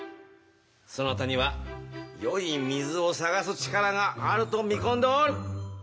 そなたにはよい水を探す力があると見込んでおる。